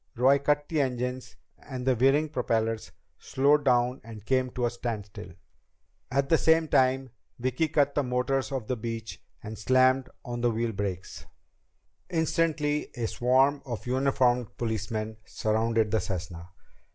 Roy cut the engines, and the whirring propellers slowed down and came to a standstill. At the same time, Vicki cut the motors of the Beech and slammed on the wheel brakes. Instantly a swarm of uniformed policemen surrounded the Cessna.